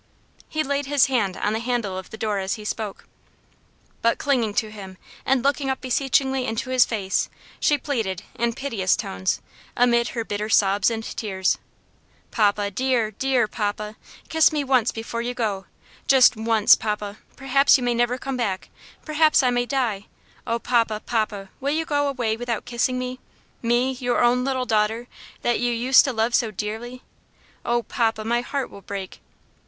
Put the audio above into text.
He laid his hand on the handle of the door as he spoke. But clinging to him, and looking up beseechingly into his face, she pleaded, in piteous tones, amid her bitter sobs and tears, "Papa, dear, dear papa, kiss me once before you go; just once, papa; perhaps you may never come back perhaps I may die. Oh, papa, papa! will you go away without kissing me? me, your own little daughter, that you used to love so dearly? Oh, papa, my heart will break!"